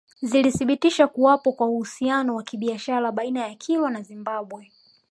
Zilithibitisha kuwapo kwa uhusiano wa kibiashara baina ya Kilwa na Zimbabwe